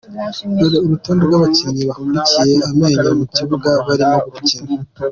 Dore urutonde rw’abakinnyi bakukiye amenyo mu kibuga barimo gukina.